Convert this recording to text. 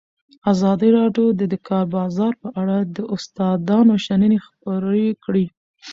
ازادي راډیو د د کار بازار په اړه د استادانو شننې خپرې کړي.